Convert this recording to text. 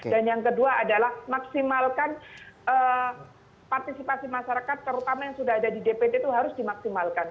dan yang kedua adalah maksimalkan partisipasi masyarakat terutama yang sudah ada di dpt itu harus dimaksimalkan